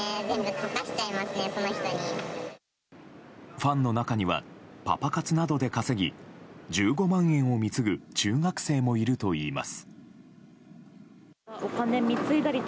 ファンの中にはパパ活などで稼ぎ１５万円を貢ぐ中学生もいるといいます。